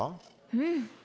うん。